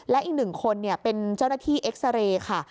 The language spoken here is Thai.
และอีกหนึ่งคนเป็นเจ้าหน้าที่เอ็กซาเรย์ค่ะ